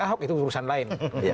ahok itu urusan lain